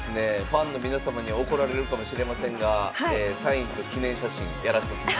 ファンの皆様には怒られるかもしれませんがサインと記念写真やらさせていただきました。